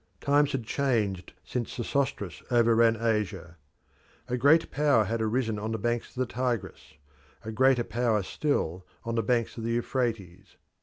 Times had changed since Sesostris overran Asia. A great power had arisen on the banks of the Tigris; a greater power still on the banks of the Euphrates.